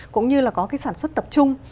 cũng như là có cái sản xuất tập trung